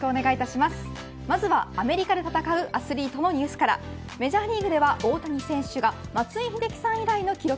まずは、アメリカで戦うアスリートのニュースからメジャーリーグでは大谷選手が松井秀喜さん以来の記録。